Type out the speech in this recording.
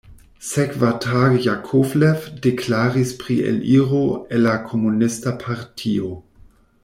Sekvatage Jakovlev deklaris pri eliro el la komunista partio.